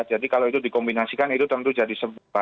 jadi kalau itu dikombinasikan itu tentu jadi